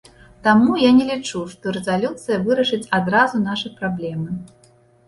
Таму я не лічу, што рэзалюцыя вырашыць адразу нашы праблемы.